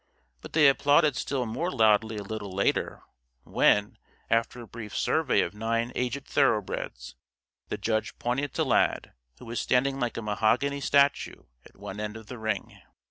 But they applauded still more loudly a little later, when, after a brief survey of nine aged thoroughbreds, the judge pointed to Lad, who was standing like a mahogany statue at one end of the ring.